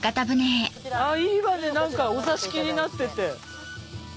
あいいわね何かお座敷になってて。